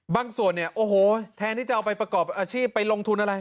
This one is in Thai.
ส่วนเนี่ยโอ้โหแทนที่จะเอาไปประกอบอาชีพไปลงทุนอะไร